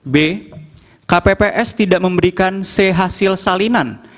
b kpps tidak memberikan c hasil salinan